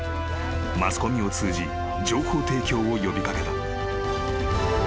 ［マスコミを通じ情報提供を呼び掛けた］